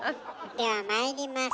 ではまいります。